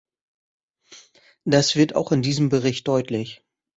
Das wird auch in diesem Bericht deutlich.